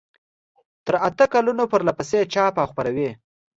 تر اته کلونو پرلپسې چاپ او خپروي.